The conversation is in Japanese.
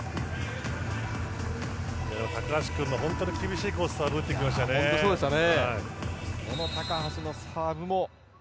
高橋君も本当に厳しいコースにサーブを打ってきましたね。